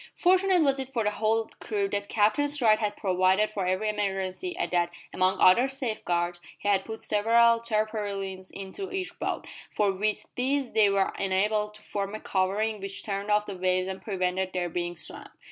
Fortunate was it for the whole crew that Captain Stride had provided for every emergency, and that, among other safeguards, he had put several tarpaulins into each boat, for with these they were enabled to form a covering which turned off the waves and prevented their being swamped.